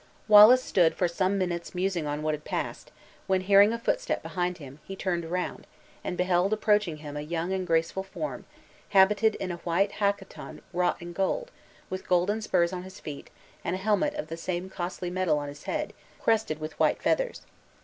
Wallace stood for some minutes musing on what had passed, when, hearing a footstep behind him, he turned round, and beheld approaching him a young and graceful form, habited in a white hacqueton wrought in gold, with golden spurs on his feet, and a helmet of the same costly metal on his head, crested with white feathers.